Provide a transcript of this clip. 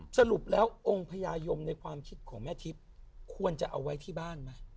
สรุปแล้วองค์พญายมในความคิดของแม่ทิพย์ควรจะเอาไว้ที่บ้านไหม